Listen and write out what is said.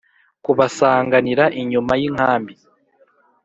Kubasanganira inyuma y inkambi